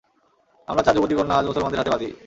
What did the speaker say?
আমার চার যুবতী কন্যা আজ মুসলমানদের হাতে বাঁদী।